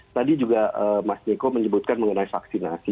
tadi juga mas niko menyebutkan mengenai vaksinasi